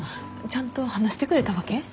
ちゃんと話してくれたわけ？